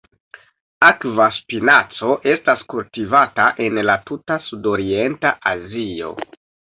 Akva spinaco estas kultivata en la tuta sudorienta Azio.